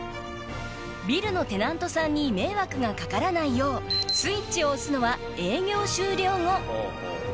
ビルのテナントさんに迷惑がかからないようスイッチを押すのは営業終了後。